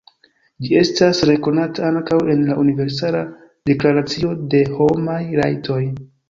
Ĝi estas rekonata ankaŭ en la Universala Deklaracio de Homaj Rajtoj.